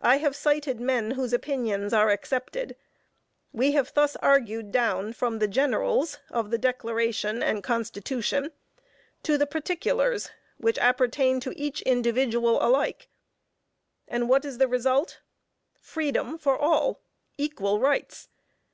I have cited men whose opinions are accepted. We have thus argued down from the generals of the Declaration and Constitution to the particulars which appertain to each individual alike, and what is the result? Freedom for all; equal rights.